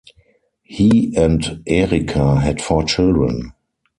He and Erika had four children.